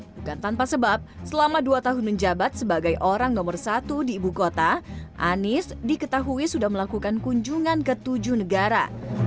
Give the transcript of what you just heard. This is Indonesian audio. bukan tanpa sebab selama dua tahun menjabat sebagai orang nomor satu di ibu kota anies diketahui sudah melakukan kunjungan ke tujuh negara